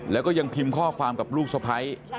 แล้วก็ยังพิมพ์ข้อความกับลูกสะพ้าย